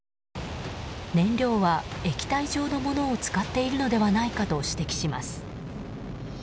燃料は液体状のものを使っているのではないかと指摘します。